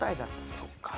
そっか。